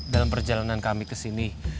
dalam perjalanan kami kesini